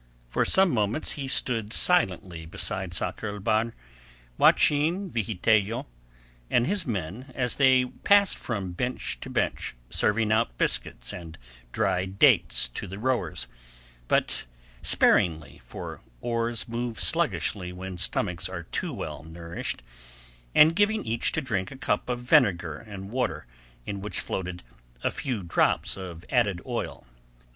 For some moments he stood silently beside Sakr el Bahr watching Vigitello and his men as they passed from bench to bench serving out biscuits and dried dates to the rowers—but sparingly, for oars move sluggishly when stomachs are too well nourished—and giving each to drink a cup of vinegar and water in which floated a few drops of added oil.